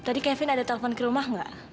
tadi kevin ada telfon ke rumah rg'll